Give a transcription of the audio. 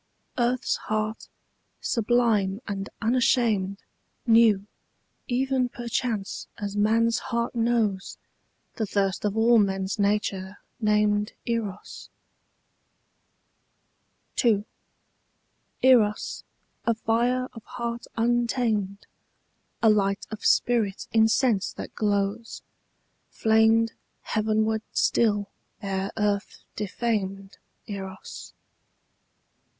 Earth's heart, sublime and unashamed, Knew, even perchance as man's heart knows, The thirst of all men's nature named Eros. II. Eros, a fire of heart untamed, A light of spirit in sense that glows, Flamed heavenward still ere earth defamed Eros.